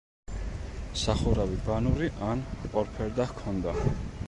სახურავი ბანური ან ორფერდა ჰქონდა.